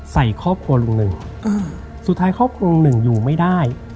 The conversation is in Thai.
ใส่ครอบครัวลุงหนึ่งสุดท้ายครอบครัวลุงหนึ่งอยู่ไม่ได้